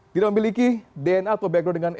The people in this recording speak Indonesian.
tidak memiliki dna atau background